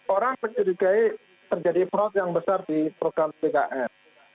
orang mencurigai terjadi fraud yang besar di program bkn